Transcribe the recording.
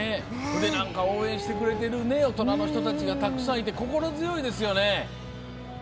応援してくれてる大人の人たちがたくさんいて心強いですよね。